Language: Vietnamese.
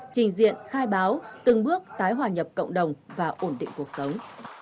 trình diện khai báo từng bước tái hòa nhập cộng đồng và ổn định cuộc sống